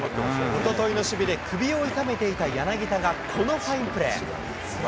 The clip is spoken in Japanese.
おとといの守備で首を痛めていた柳田がこのファインプレー。